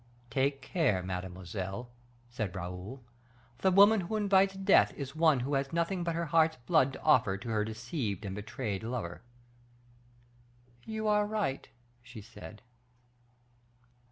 "Take care, mademoiselle," said Raoul: "the woman who invites death is one who has nothing but her heart's blood to offer to her deceived and betrayed lover." "You are right," she said.